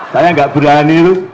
saya enggak berani lho